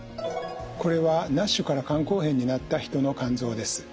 これはＮＡＳＨから肝硬変になった人の肝臓です。